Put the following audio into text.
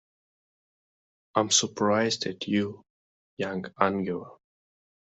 I'm surprised at you, young Angela.